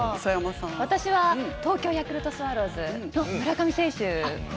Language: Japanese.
私は東京ヤクルトスワローズの村上選手。